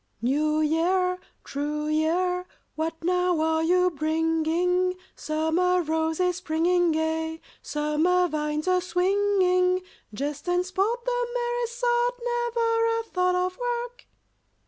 "New Year, true year, What now are you bringing? Summer roses springing gay, Summer vines a swinging? Jest and sport, the merriest sort, Never a thought of work?"